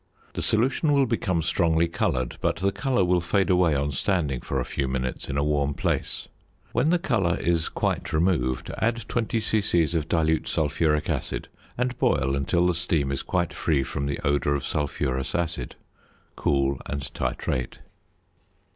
The solution will become strongly coloured, but the colour will fade away on standing for a few minutes in a warm place. When the colour is quite removed, add 20 c.c. of dilute sulphuric acid, and boil until the steam is quite free from the odour of sulphurous acid. Cool and titrate.